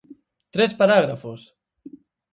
¡Tres parágrafos!